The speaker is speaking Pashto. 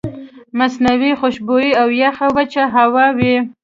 مصنوعي خوشبويئ او يخه وچه هوا وي